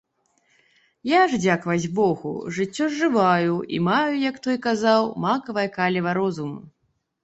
Я ж, дзякаваць богу, жыццё зжываю і маю, як той казаў, макавае каліва розуму.